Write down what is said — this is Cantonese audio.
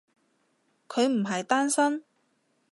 佢唔係單身？